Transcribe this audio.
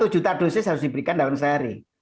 satu juta dosis harus diberikan dalam sehari